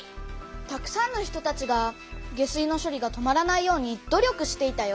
たくさんの人たちが下水のしょりが止まらないように努力していたよ。